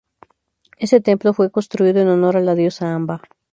Este templo fue construido en honor a la diosa "Amba".